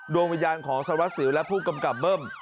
ดวงวิญญาณของสารวัสสิวและผู้กำกับเบิ้ม